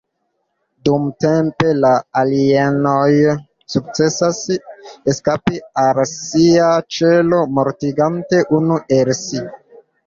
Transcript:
Dumtempe, la "alien-oj" sukcesas eskapi el sia ĉelo, mortigante unu el si.